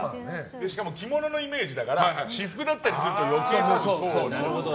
しかも着物のイメージだから私服だったりすると余計そうなんだよね。